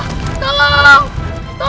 ke tempat kita